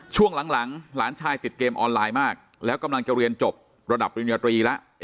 ช่วงหลังหลานชายติดเกมออนไลน์มากแล้วกำลังจะเรียนจบระดับปริญญาตรีแล้ว